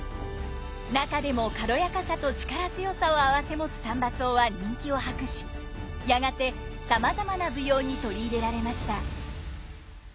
中でも軽やかさと力強さを併せ持つ三番叟は人気を博しやがてさまざまな舞踊に取り入れられました。